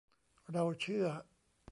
เราเชื่อ